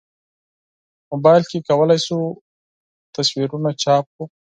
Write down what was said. موبایل کې کولای شو عکسونه چاپ کړو.